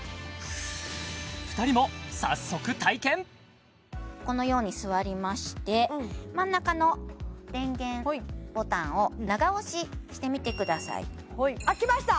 ２人も早速体験このように座りまして真ん中の電源ボタンを長押ししてみてくださいあっきました